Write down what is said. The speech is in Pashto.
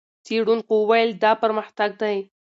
څېړونکو وویل، دا پرمختګ دی.